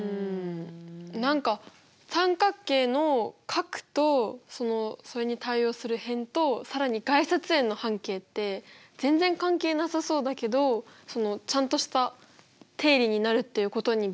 何か三角形の角とそれに対応する辺と更に外接円の半径って全然関係なさそうだけどちゃんとした定理になるっていうことにびっくりしたかな。